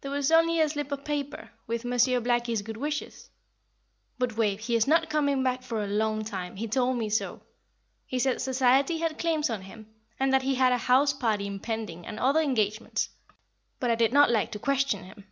"There was only a slip of paper, with Monsieur Blackie's good wishes. But Wave, he is not coming back for a long time he told me so. He said society had claims on him, and that he had a house party impending, and other engagements; but I did not like to question him."